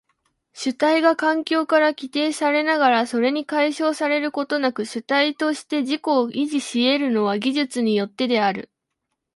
主体が環境から規定されながらそれに解消されることなく主体として自己を維持し得るのは技術によってである。